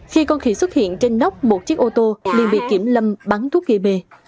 khi con khỉ xuất hiện trên nóc một chiếc ô tô liền bị kiểm lâm bắn thuốc gây mê